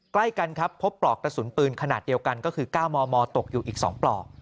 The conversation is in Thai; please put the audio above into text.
ใกล้กันครับพบปลอกกระสุนปืนขนาดเดียวกันก็คือ๙มมตกอยู่อีก๒ปลอก